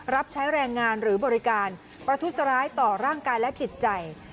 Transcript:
รับใช้แรงงานหรือบริการประทุษร้ายต่อร่างกายและจิตใจ